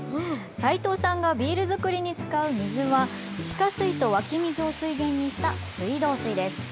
齋藤さんがビール造りに使う水は、地下水と湧き水を水源にした水道水です。